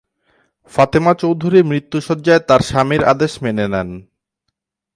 ফাতেমা চৌধুরী মৃত্যুশয্যায় তার স্বামীর আদেশ মেনে নেন।